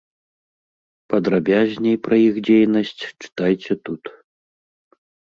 Падрабязней пра іх дзейнасць чытайце тут.